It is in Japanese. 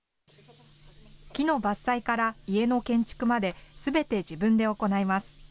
木の伐採から家の建築まですべて自分で行います。